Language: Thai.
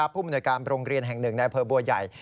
ผู้บุญการโรงเรียนแห่งหนึ่งในเผอร์บัวใหญ่